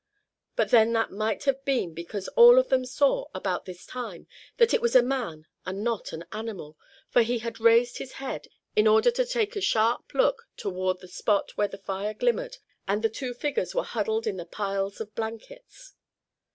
But then that might have been because all of them saw about this time that it was a man and not an animal, for he had raised his head, in order to take a sharp look toward the spot where the fire glimmered and the two figures were huddled in the piles of blankets.